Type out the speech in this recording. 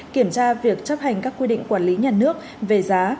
kiểm tra việc chấp hành các quy định quản lý nhà nước về giá